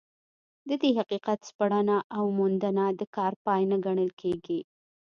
د دې حقیقت سپړنه او موندنه د کار پای نه ګڼل کېږي.